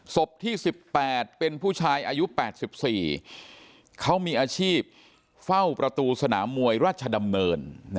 ศพที่สิบแปดเป็นผู้ชายอายุแปดสิบสี่เขามีอาชีพเฝ้าประตูสนามมวยราชดำเนิน